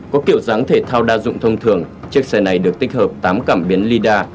có kiểu dáng thể thao đa dụng thông thường chiếc xe này được tích hợp tám cảm biến lida